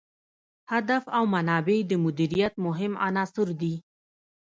هدف او منابع د مدیریت مهم عناصر دي.